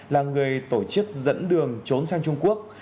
đảng bộ xã đồng tâm